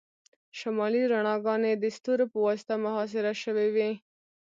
شمالي رڼاګانې د ستورو په واسطه محاصره شوي وي